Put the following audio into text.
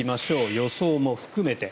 予想も含めて。